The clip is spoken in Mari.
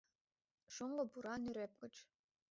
Шоҥго пура нӧреп гыч —